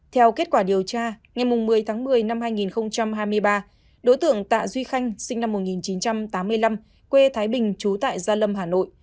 theo kết quả điều tra ngày một mươi tháng một mươi năm hai nghìn hai mươi ba đối tượng tạ duy khanh sinh năm một nghìn chín trăm tám mươi năm quê thái bình trú tại gia lâm hà nội